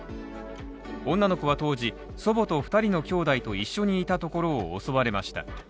女の子は当時、祖母と２人の兄弟と一緒にいたところを襲われました。